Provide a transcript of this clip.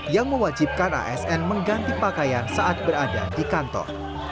yang mewajibkan asn mengganti pakaian saat berada di kantor